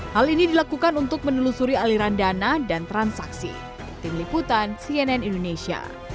hal ini dilakukan untuk menelusuri aliran dana dan transaksi